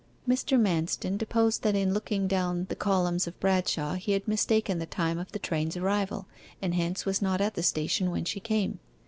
Mr. Manston deposed that in looking down the columns of Bradshaw he had mistaken the time of the train's arrival, and hence was not at the station when she came.